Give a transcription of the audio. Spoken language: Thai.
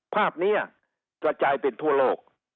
ภาพนี้กระจายเป็นทั่วโลก